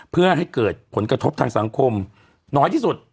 เพื่อให้เกิดผลกระทบทางสังคมน้อยที่สุด